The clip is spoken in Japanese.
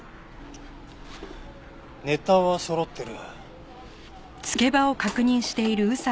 ネタはそろってる。